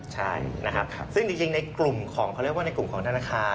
ใช่นะครับซึ่งจริงในกลุ่มของเขาเรียกว่าในกลุ่มของธนาคาร